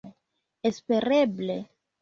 espereble